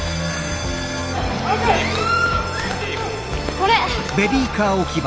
これ。